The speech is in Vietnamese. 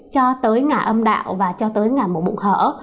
cho tới ngả âm đạo và cho tới ngả mổ bụng hở